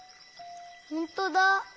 ほんとだ！